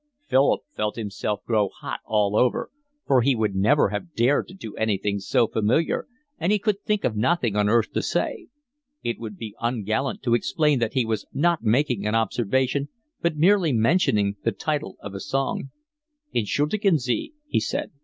Philip felt himself grow hot all over, for he would never have dared to do anything so familiar, and he could think of nothing on earth to say. It would be ungallant to explain that he was not making an observation, but merely mentioning the title of a song. "Entschuldigen Sie," he said.